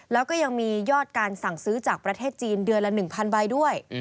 แล้วก็ยังมียอดการสั่งซื้อจากประเทศจีนเดือนละ๑๐๐ใบด้วย